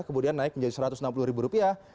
kemudian naik menjadi satu ratus enam puluh ribu rupiah